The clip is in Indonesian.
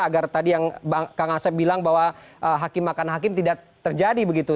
agar tadi yang kang asep bilang bahwa hakim makan hakim tidak terjadi begitu